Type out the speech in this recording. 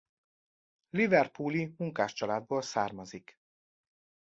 Liverpooli munkáscsaládból származik.